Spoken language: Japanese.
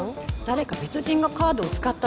誰か別人がカードを使ったとか